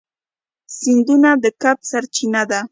سیندونه د کب سرچینه ده.